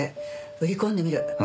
売り込んでみる。